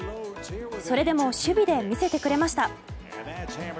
それでも守備で魅せてくれました。